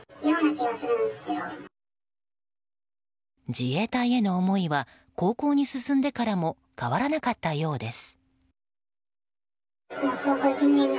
自衛隊への思いは高校に進んでからも変わらなかったようです。